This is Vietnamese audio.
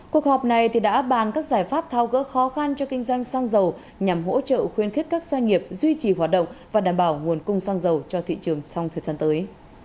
cuộc họp này đã bàn các giải pháp thao gỡ khó khăn cho kinh doanh xăng dầu nhằm hỗ trợ khuyến khích các doanh nghiệp duy trì hoạt động và đảm bảo nguồn cung xăng dầu cho thị trường trong thời gian tới